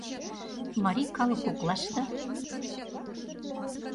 Марий калык коклаште;